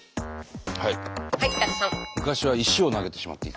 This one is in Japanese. はい。